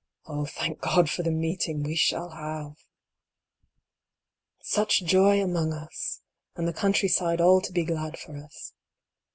Oh, thank God for the meeting we shall have ! Such joy among us ! and the country side all to be glad for us.